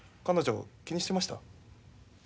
彼女気にしてました？